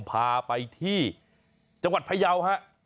พาไปที่จังหวัดพยาวฮะ